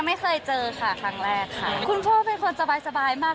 ไม่เคยเจอค่ะครั้งแรกค่ะคุณพ่อเป็นคนสบายสบายมาก